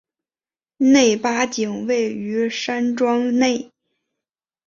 内八景位于山庄内。